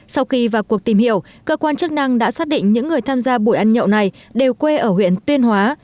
sau khi vào cuộc tìm hiểu cơ quan chức năng đã xác định những người tham gia buổi ăn nhậu này đều quê ở huyện tuyên hóa